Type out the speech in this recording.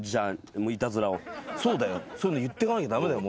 そうだよそういうの言ってかなきゃ駄目だよ